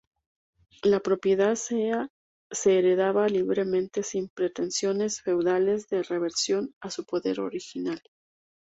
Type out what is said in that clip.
La propiedad se heredaba libremente sin pretensiones feudales de reversión a su poder original.